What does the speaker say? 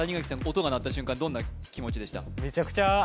音が鳴った瞬間どんな気持ちでした？